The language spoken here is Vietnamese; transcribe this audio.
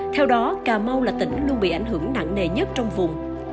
theo đó cà mau là tỉnh luôn bị ảnh hưởng nặng nề nhất trong vùng